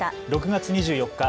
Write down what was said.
６月２４日